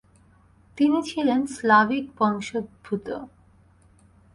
তিনি ছিলেন স্লাভিক বংশোদ্ভূত।